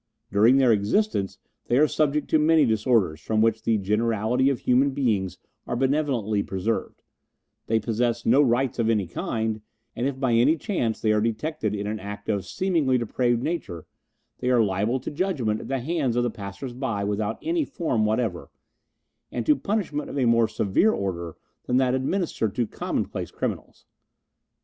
During their existence they are subject to many disorders from which the generality of human beings are benevolently preserved; they possess no rights of any kind, and if by any chance they are detected in an act of a seemingly depraved nature, they are liable to judgment at the hands of the passers by without any form whatever, and to punishment of a more severe order than that administered to commonplace criminals.